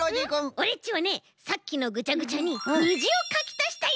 オレっちはねさっきのぐちゃぐちゃににじをかきたしたよ。